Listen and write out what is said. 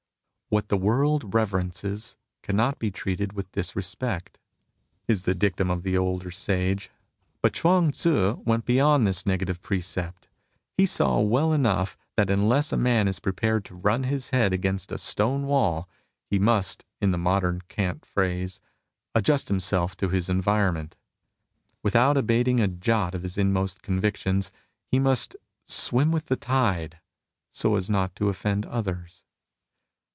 ''What the world reverences cannot be treated with disrespect," is the dictum of the older sage. But Ghuang Tzu went beyond this negative precept. He saw well enough that unless a man is prepared to run his head against a stone wall, he must, in the modem cant phrase, adjust himself to his environment. Without abating a jot of his inmost convictions, he must " swim with the tide, so as not to oflEend others."